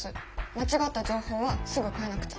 間違った情報はすぐ変えなくちゃ。